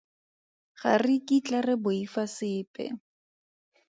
Ga re kitla re boifa sepe.